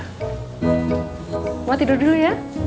kamu tidur dulu ya